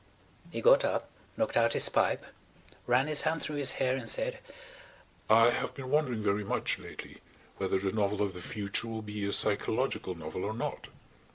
He got up, knocked out his pipe, ran his hand through his hair, and said: "I have been wondering very much lately whether the novel of the future will be a psychological novel or not.